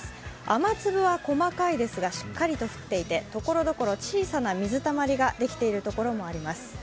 雨粒は細かいですが、しっかりと降っていてところどころ、小さな水たまりができているところもあります。